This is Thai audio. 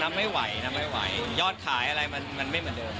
ไม่ไหวน้ำไม่ไหวยอดขายอะไรมันไม่เหมือนเดิม